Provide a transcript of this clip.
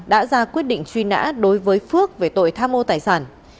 đã ra quyết định truy nã đối với phước về tội tham mô tài sản